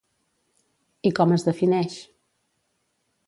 I com es defineix?